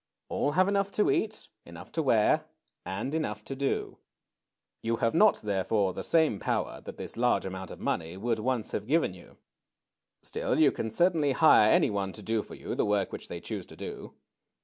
All have enough to eat, enough to wear, and enough to do. You have not, therefore, the same power that this large amount of money would once have given you. Still, you can certainly hire any one to do for you the 'work which they choose to do.